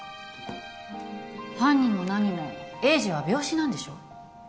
犯人もなにも栄治は病死なんでしょ？